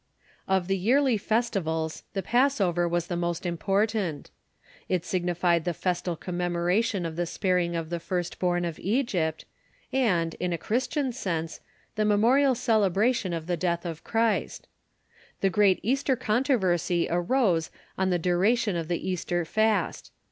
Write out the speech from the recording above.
* Of the yearly festivals the Passover was the most impor tant. It signified the festal commemoration of the sparing of the first born in Egypt, and, in a Christian sense, ear y es iva s ^^^ memorial celebration of the death of Christ. The great Easter controversy arose on the duration of the Easter fast.